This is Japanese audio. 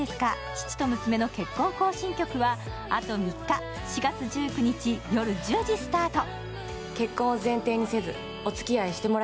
父と娘の結婚行進曲」はあと３日、４月１９日夜１０時スタート。